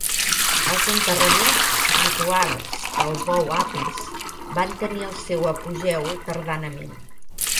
Els enterraments rituals del bou Apis van tenir el seu apogeu tardanament.